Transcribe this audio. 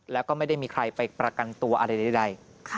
แล้วก็ไม่ได้มีใครไปประกันตัวอะไรใด